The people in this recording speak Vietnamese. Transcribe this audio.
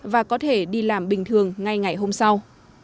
và có thể đi làm bình thường ngay ngày hôm sau